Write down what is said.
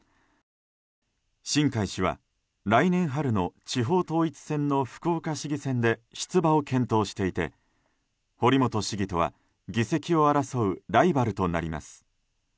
新開氏は、来年春の地方統一選の福岡市議選で出馬を検討していて堀本市議とは議席を争うライバルとなります。